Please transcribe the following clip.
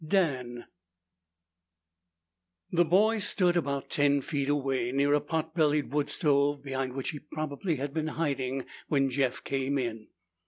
5. DAN The boy stood about ten feet away, near a pot bellied wood stove behind which he probably had been hiding when Jeff came in.